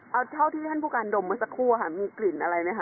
เอาเท่าที่ท่านผู้การดมเมื่อสักครู่ค่ะมีกลิ่นอะไรไหมค